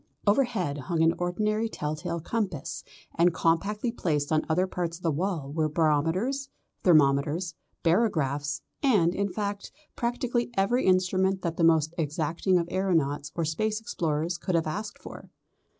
Overhead hung an ordinary tell tale compass, and compactly placed on other parts of the wall were barometers, thermometers, barographs, and, in fact, practically every instrument that the most exacting of aeronauts or Space explorers could have asked for.